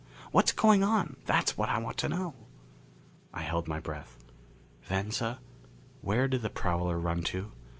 What's going on, that's what I want to know?" I held my breath. "Venza, where did the prowler run to?